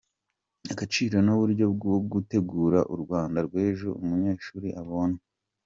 agaciro n’uburyo bwo gutegura urwanda rw’ejo; Umunyeshuli abone